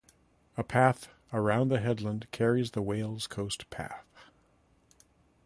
A path around the headland carries the Wales Coast Path.